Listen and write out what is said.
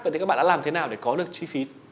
vậy thì các bạn đã làm thế nào để có được chi phí